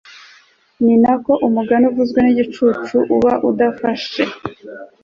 ni na ko umugani uvuzwe n'igicucu uba udafashe